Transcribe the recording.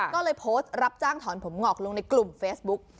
ก็เลยโพสต์รับจ้างถอนผมงอกลงในกลุ่มเฟซบุ๊ก